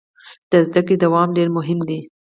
د زده کړې دوام ډیر مهم دی.